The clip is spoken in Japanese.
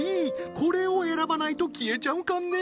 これを選ばないと消えちゃうかんね